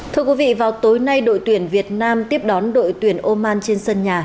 thưa quý vị vào tối nay đội tuyển việt nam tiếp đón đội tuyển oman trên sân nhà